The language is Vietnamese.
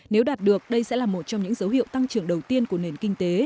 nếu đạt được đây sẽ là một trong những dấu hiệu tăng trưởng đầu tiên của nền kinh tế